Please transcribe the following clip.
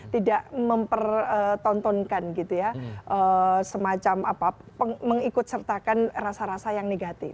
tidak mempertontonkan gitu ya semacam apa mengikut sertakan rasa rasa yang negatif